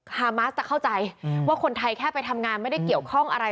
ฮามาสจะเข้าใจว่าคนไทยแค่ไปทำงานไม่ได้เกี่ยวข้องอะไร